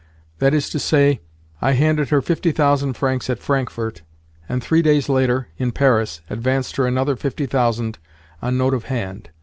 That is to say, I handed her fifty thousand francs at Frankfurt, and, three days later (in Paris), advanced her another fifty thousand on note of hand.